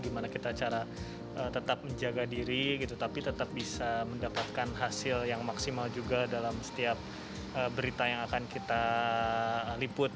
gimana kita cara tetap menjaga diri gitu tapi tetap bisa mendapatkan hasil yang maksimal juga dalam setiap berita yang akan kita liput